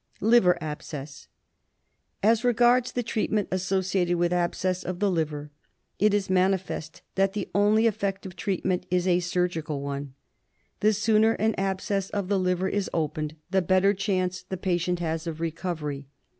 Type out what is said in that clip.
Liver Abscess. As regards the fever associated with Abscess of the Liver, it is manifest that the only effective treatment is a surgical one. The sooner an abscess of the liver is opened the better chance the patient has of recovery.